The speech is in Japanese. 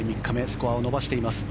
スコアを伸ばしています。